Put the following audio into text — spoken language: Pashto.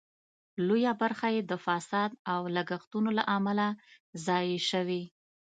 لویه برخه یې د فساد او لګښتونو له امله ضایع شوې.